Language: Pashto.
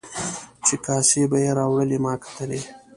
چې کاسې به یې راوړلې ما کتلې.